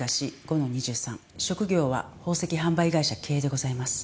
職業は宝石販売会社経営でございます。